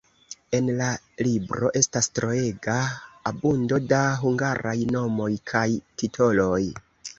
En la libro estas troega abundo da hungaraj nomoj kaj titoloj.